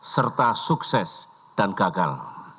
serta sukses dan gagal